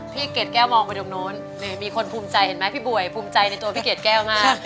เกรดแก้วมองไปตรงนู้นมีคนภูมิใจเห็นไหมพี่ป่วยภูมิใจในตัวพี่เกดแก้วมาก